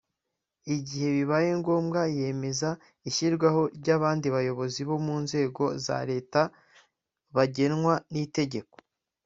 Igihe bibaye ngombwa yemeza ishyirwaho ry’abandi bayobozi bo mu nzego za Leta bagenwa n’itegeko